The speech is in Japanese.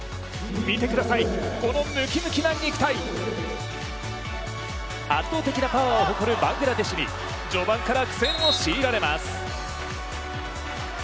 見てください、このムキムキな肉体圧倒的なパワーを誇るバングラデシュに序盤から苦戦を強いられます。